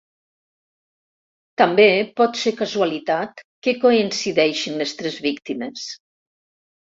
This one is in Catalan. També pot ser casualitat, que coincideixin les tres víctimes.